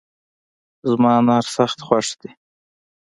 زما انار سخت خوښ دي